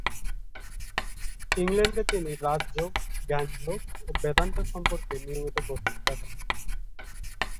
ইংল্যান্ডে তিনি রাজযোগ, জ্ঞানযোগ ও বেদান্ত সম্পর্কে নিয়মিত বক্তৃতা দেন।